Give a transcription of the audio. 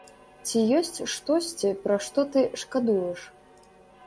Ці ёсць штосьці, пра што ты шкадуеш?